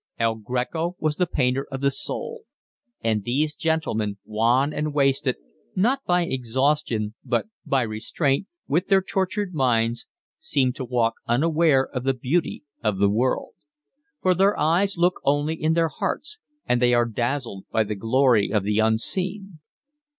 El Greco was the painter of the soul; and these gentlemen, wan and wasted, not by exhaustion but by restraint, with their tortured minds, seem to walk unaware of the beauty of the world; for their eyes look only in their hearts, and they are dazzled by the glory of the unseen.